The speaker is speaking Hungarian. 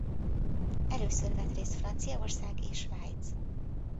Először vett részt Franciaország és Svájc.